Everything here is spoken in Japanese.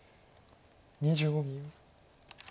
２５秒。